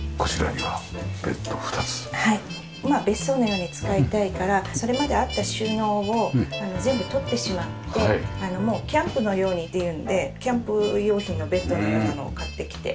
今は別荘のように使いたいからそれまであった収納を全部取ってしまってもうキャンプのようにっていうんでキャンプ用品のベッドのようなのを買ってきて。